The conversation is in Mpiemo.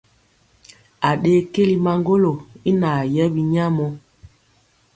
Aɗee keli maŋgolo i naa yɛ binyamɔ.